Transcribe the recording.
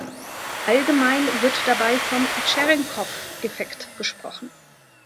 Allgemein wird dabei vom "Tscherenkow-Effekt" gesprochen.